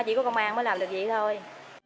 chỉ có công an mới làm được gì thôi